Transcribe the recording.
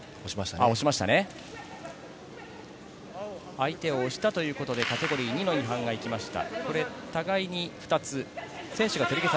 相手を押したということでカテゴリー２の違反が行きました。